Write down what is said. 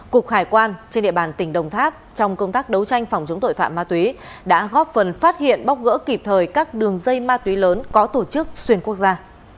cục hải quan trên địa bàn tỉnh đồng tháp trong công tác đấu tranh phòng chống tội phạm ma túy đã góp phần phát hiện bóc gỡ kịp thời các đường dây ma túy lớn có tổ chức xuyên quốc gia